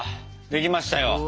できましたよ！